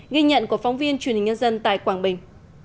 ghi nhận của phóng viên truyền hình nhân dân tại quảng bình